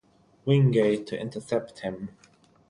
Wingate to intercept him.